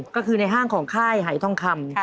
ก็คือในห้างของค่ายหายทองคำ